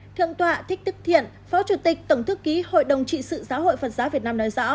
thượng tọa thích đức thiện phó chủ tịch tổng thư ký hội đồng trị sự giáo hội phật giáo việt nam nói rõ